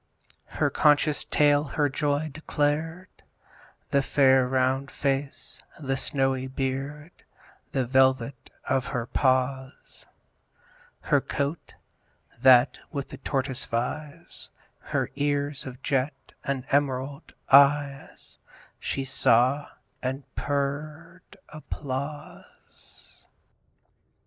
Her conscious tail her joy declared; The fair round face, the snowy beard, The velvet of her paws, Her coat, that with the tortoise vies, Her ears of jet, and emerald eyes, She saw; and purr'd applause.